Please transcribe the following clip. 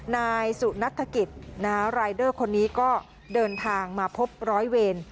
นายสุนัฐกิจรายเดอร์คนนี้ก็เดินทางมาพบร้อยเวร